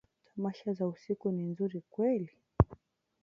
Tamasha za usiku ni nzuri kweli?